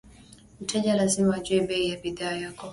Mteja lazima ajue bei ya bidhaa yako